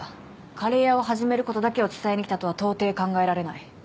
カレー屋を始めることだけを伝えに来たとはとうてい考えられない。